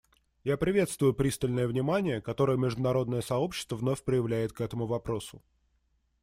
Я приветствую пристальное внимание, которое международное сообщество вновь проявляет к этому вопросу.